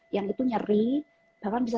yang itu nyeri bahkan bisa